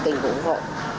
tình của ủng hộ